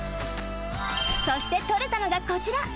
そしてとれたのがこちら。